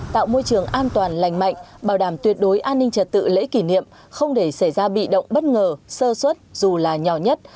tạo môi trường an toàn lành mạnh bảo đảm tuyệt đối an ninh trật tự lễ kỷ niệm không để xảy ra bị động bất ngờ sơ xuất dù là nhỏ nhất